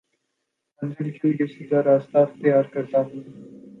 منزل کے لیے سیدھا راستہ اختیار کرتا ہوں